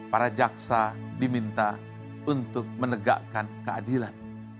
para jaksa diminta untuk menegakkan keadilan